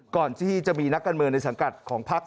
ก่อนที่จะมีนักการเมืองในสังกัดของพัก